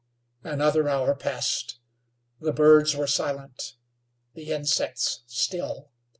Another hour passed. The birds were silent; the insects still.